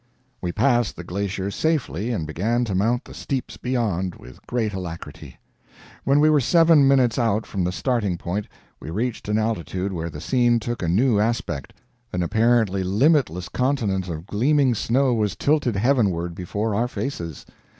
We passed the glacier safely and began to mount the steeps beyond, with great alacrity. When we were seven minutes out from the starting point, we reached an altitude where the scene took a new aspect; an apparently limitless continent of gleaming snow was tilted heavenward before our faces.